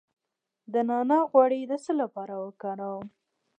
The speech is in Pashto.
د نعناع غوړي د څه لپاره وکاروم؟